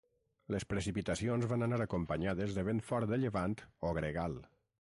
Les precipitacions van anar acompanyades de vent fort de llevant o gregal.